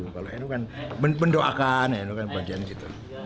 kalau nu kan mendoakan nu kan bagian gitu